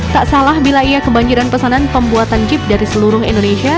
tak salah bila ia kebanjiran pesanan pembuatan jeep dari seluruh indonesia